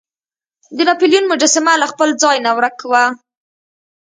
د ناپلیون مجسمه له خپل ځای نه ورک وه.